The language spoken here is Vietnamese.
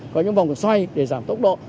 có những vòng xoay để giảm tốc độ